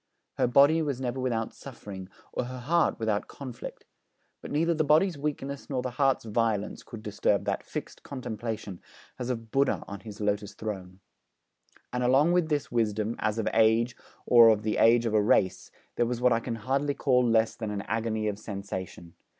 Her body was never without suffering, or her heart without conflict; but neither the body's weakness nor the heart's violence could disturb that fixed contemplation, as of Buddha on his lotus throne. And along with this wisdom, as of age or of the age of a race, there was what I can hardly call less than an agony of sensation.